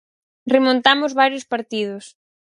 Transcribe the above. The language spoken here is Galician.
Remontamos varios partidos.